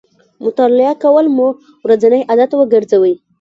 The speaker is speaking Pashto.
مطالعه کول مو ورځنی عادت وګرځوئ